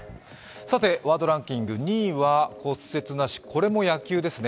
ワードランキング２位は骨折なし、これも野球ですね。